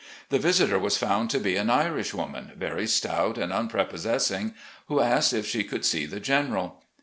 The visitor was found to be an Irishwoman, very stout and unprepos sessing, who asked if she could see the General.